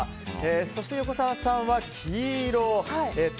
そして横澤さんは黄色。